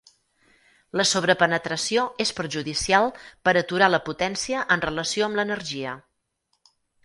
La sobrepenetració és perjudicial per aturar la potència en relació amb l'energia.